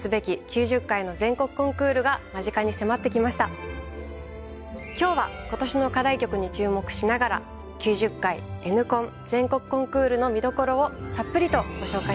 今日は１０月７日から行われる更に今日は今年の課題曲に注目しながら９０回Ｎコン全国コンクールの見どころをたっぷりとご紹介します。